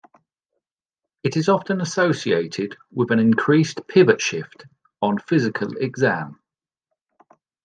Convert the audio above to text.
It is often associated with an increased 'pivot shift' on physical exam.